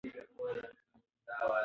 ایا د پښتنو لښکر به اصفهان ته ورسیږي؟